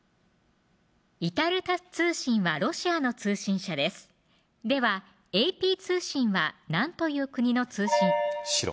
イタル・タス通信はロシアの通信社ですではＡＰ通信は何という国の通信白